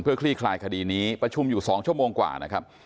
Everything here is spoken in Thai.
คลี่คลายคดีนี้ประชุมอยู่๒ชั่วโมงกว่านะครับ